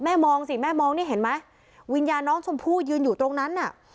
มองสิแม่มองนี่เห็นไหมวิญญาณน้องชมพู่ยืนอยู่ตรงนั้นน่ะ